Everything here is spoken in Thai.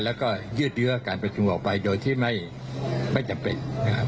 แล้วก็ยืดเหลือการประชุมออกไปโดยที่ไม่จำเป็น